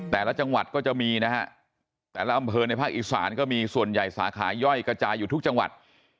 แต่ละจังหวัดก็จะมีนะฮะแต่ละอำเภอในภาคอีสานก็มีส่วนใหญ่สาขาย่อยกระจายอยู่ทุกจังหวัด